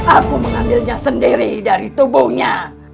aku mengambilnya sendiri dari tubuhnya